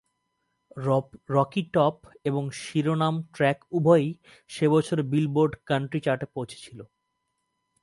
"Rocky Top" এবং শিরোনাম track উভয়ই সেই বছর "বিলবোর্ড" কান্ট্রি চার্টে পৌঁছেছিল।